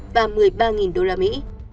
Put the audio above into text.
và một mươi ba đô la mỹ